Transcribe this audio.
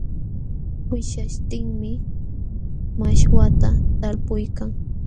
Wishyaśhtinmi mashwata talpuykan.